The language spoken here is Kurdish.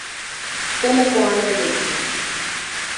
Gelek wane lê çûn.